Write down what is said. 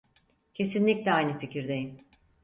Kesinlikle aynı fikirdeyim.